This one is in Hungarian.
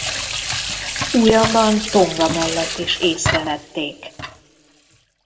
Újabban Tonga mellett is észrevették.